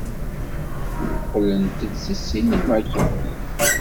Qqlent-d seg ssinima kifkif.